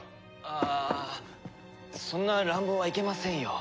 ああそんな乱暴はいけませんよ。